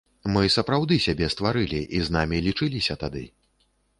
Мы сапраўды сябе стварылі, і з намі лічыліся тады.